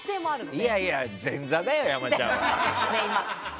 いやいや前座だよ、山ちゃんは。